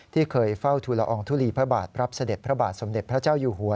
ที่เคยเฝ้าทุลอองทุลีพระบาทรับเสด็จพระบาทสมเด็จพระเจ้าอยู่หัว